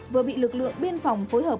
vừa bị lực lượng biên phòng phối hợp